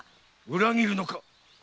裏切るのか？